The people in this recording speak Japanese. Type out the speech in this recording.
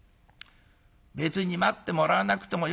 別に待ってもらわなくてもよかったの。